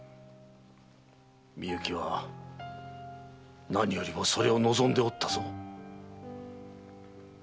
美雪は何よりもそれを望んでおったぞ。